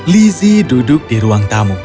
lizzie duduk di ruang tamu